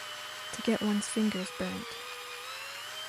To get one’s fingers burnt.